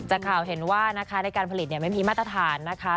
จากข่าวเห็นว่านะคะในการผลิตไม่มีมาตรฐานนะคะ